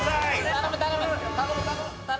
頼む頼む！